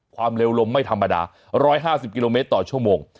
ความเร็วลมไม่ธรรมดาร้อยห้าสิบกิโลเมตรต่อชั่วโมง